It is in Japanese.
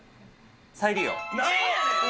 再利用。